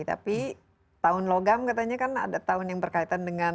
tapi tahun logam katanya kan ada tahun yang berkaitan dengan